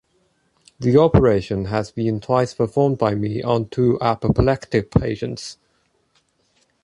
The operation has been twice performed by me on two apoplectic patients.